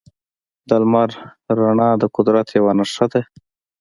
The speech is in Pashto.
د لمر رڼا د قدرت یوه نښه ده.